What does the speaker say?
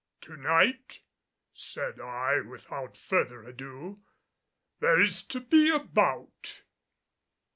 "To night," said I, without further ado, "there is to be a bout."